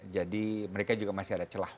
jadi mereka juga masih ada celah